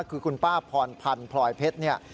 คือคุณป้าพรพันธ์พลอยเพชรเนี่ย